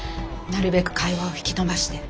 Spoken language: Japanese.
なるべく会話を引き延ばして。